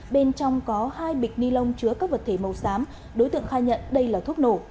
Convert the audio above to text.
bên trong có hai bịch ni lông chứa các vật thể màu xám đối tượng khai nhận đây là thuốc nổ